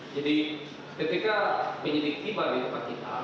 jadi ketika penyelidik tiba di tempat kita